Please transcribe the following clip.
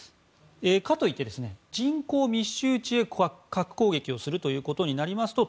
かといって、人口密集地へ核攻撃をすることになりますと